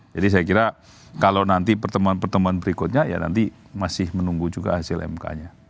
jadi saya kira kalau nanti pertemuan pertemuan berikutnya ya nanti masih menunggu juga hasil mk nya